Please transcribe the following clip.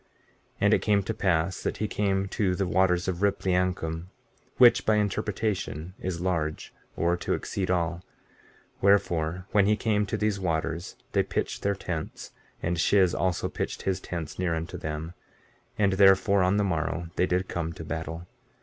15:8 And it came to pass that he came to the waters of Ripliancum, which, by interpretation, is large, or to exceed all; wherefore, when they came to these waters they pitched their tents; and Shiz also pitched his tents near unto them; and therefore on the morrow they did come to battle.